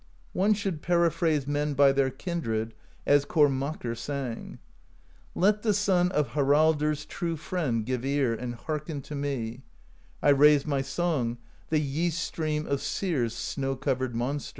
One should periphrase men by their kindred; as Kormakr sang: Let the son of Haraldr's true friend Give ear, and hearken to me: I raise my song, the Yeast Stream Of Syr's snow covered Monsters.